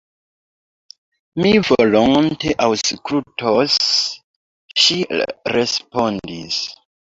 Mi volonte aŭskultos, ŝi respondis.